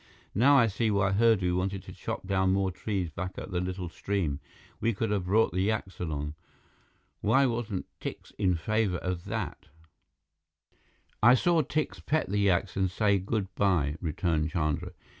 "Now I see why Hurdu wanted to chop down more trees back at the little stream. We could have brought the yaks along. Why wasn't Tikse in favor of that?" "I saw Tikse pet the yaks and say good by," returned Chandra.